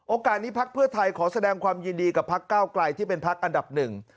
โอกาสนี้ภักดิ์เพื่อไทยขอแสดงความยินดีกับภักดิ์เก้ากลายที่เป็นภักดิ์อันดับหนึ่ง